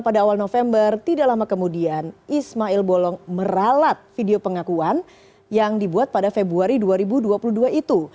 pada awal november tidak lama kemudian ismail bolong meralat video pengakuan yang dibuat pada februari dua ribu dua puluh dua itu